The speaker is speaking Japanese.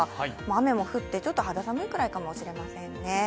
雨も降ってちょっと肌寒いくらいかもしれませんね。